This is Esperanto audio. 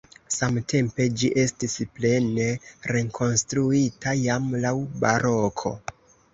Samtempe ĝi estis plene rekonstruita jam laŭ baroko.